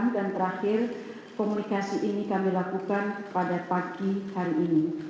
dan terakhir komunikasi ini kami lakukan pada pagi hari ini